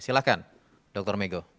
silahkan dokter megho